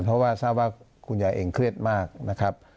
เพราะว่าทราบว่าคุณยายเองเครียดมากนะครับ